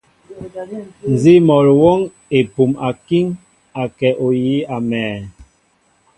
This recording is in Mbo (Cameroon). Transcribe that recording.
Nzi mol awɔŋ epum akiŋ, akɛ ohii amɛɛ.